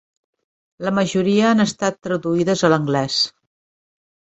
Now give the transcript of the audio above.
La majoria han estat traduïdes a l'anglès.